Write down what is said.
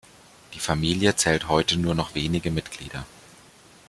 Die Familie zählt heute nur noch wenige Mitglieder.